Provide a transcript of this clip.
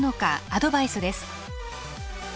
アドバイスです。